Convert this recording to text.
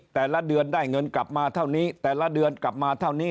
แต่ละเดือนได้เงินกลับมาเท่านี้แต่ละเดือนกลับมาเท่านี้